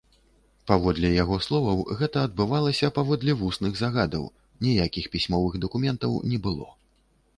Паводле яго словаў, гэта адбывалася паводле вусных загадаў, ніякіх пісьмовых дакументаў не было.